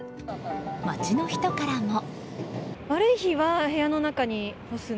街の人からも。